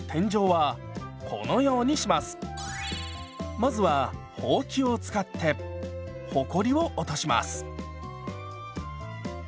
まずはほうきを使ってほこりを落とします。